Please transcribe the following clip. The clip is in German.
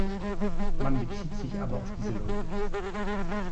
Man bezieht sich aber auf diese Leute.